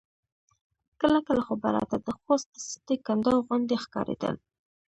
کله کله خو به راته د خوست سټې کنډاو غوندې ښکارېدل.